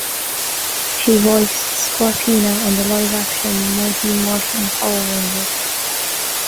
She voiced Scorpina on the live-action "Mighty Morphin Power Rangers".